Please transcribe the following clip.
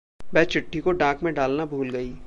वह चिट्ठी को डाक में डालना भूल गई।